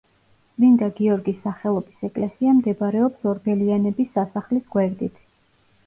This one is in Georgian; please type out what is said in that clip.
წმინდა გიორგის სახელობის ეკლესია მდებარეობს ორბელიანების სასახლის გვერდით.